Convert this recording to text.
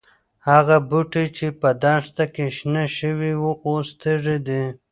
هغه بوټي چې په دښته کې شنه شوي وو، اوس تږي دي.